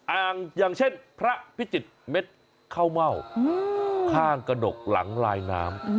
อ้างอย่างเช่นพระพิจิติชาวดฯเมฆเข้าเม่าค่ากระดกหลังลายน้ำ